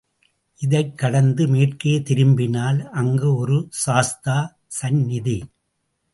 இதைக் கடந்து மேற்கே திரும்பினால் அங்கு ஒரு சாஸ்தா சந்நிதி.